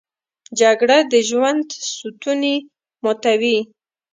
جګړه د ژوند ستونی ماتوي